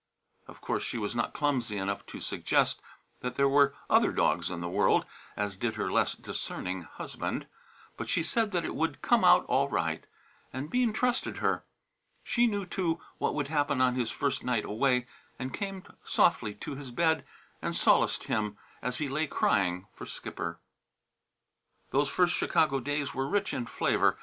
Of course she was not clumsy enough to suggest that there were other dogs in the world, as did her less discerning husband. But she said that it would come out all right, and Bean trusted her. She knew, too, what would happen on his first night away, and came softly to his bed and solaced him as he lay crying for Skipper. Those first Chicago days were rich in flavour.